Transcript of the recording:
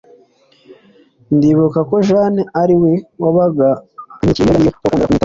ndibuka ko Jeanne ari we wabaga ankikiye mbega niyo wakundaga kunyitaho cyane